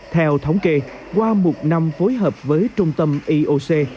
theo thống kê qua một năm phối hợp với trung tâm ioc